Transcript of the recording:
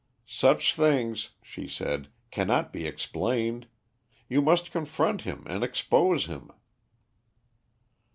"Such things," she said, "cannot be explained. You must confront him and expose him."